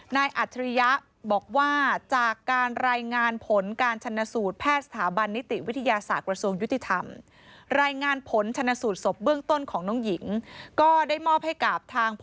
อัจฉริยะบอกว่าจากการรายงานผลการชนสูตรแพทย์สถาบันนิติวิทยาศาสตร์กระทรวงยุติธรรมรายงานผลชนสูตรศพเบื้องต้นของน้องหญิงก็ได้มอบให้กับทาง